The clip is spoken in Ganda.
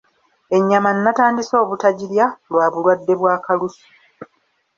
Ennyama nnatandise obutagirya lwa bulwadde bwa Kalusu.